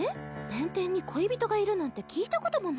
弁天に恋人がいるなんて聞いたこともないっちゃ。